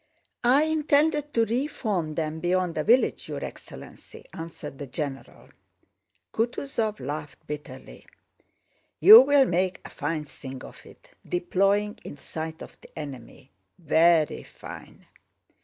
"I intended to re form them beyond the village, your excellency," answered the general. Kutúzov laughed bitterly. "You'll make a fine thing of it, deploying in sight of the enemy! Very fine!"